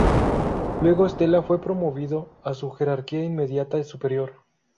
Luego Stella fue promovido a su jerarquía inmediata superior.